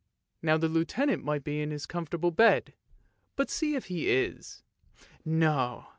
Now the Lieutenant might be in his comfortable bed, but see if he is ! No